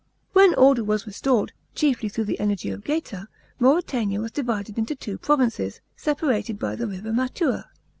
When order was restored, chiefly through the energy of Geta, Mauretania was divided into two provinces, separated by the river Mattua.